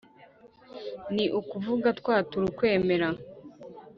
ni ukuvuga kwatura ukwemera